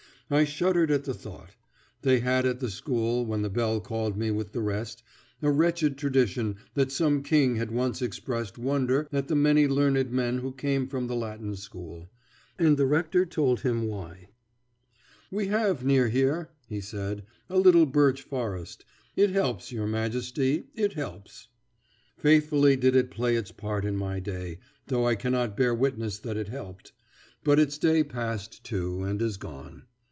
I shuddered at the thought. They had at the school, when the bell called me with the rest, a wretched tradition that some king had once expressed wonder at the many learned men who came from the Latin School. And the rector told him why. [Illustration: The Ancient Bellwoman.] "We have near here," he said, "a little birch forest. It helps, your Majesty, it helps." Faithfully did it play its part in my day, though I cannot bear witness that it helped. But its day passed, too, and is gone.